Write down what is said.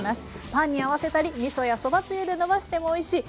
パンに合わせたりみそやそばつゆでのばしてもおいしい。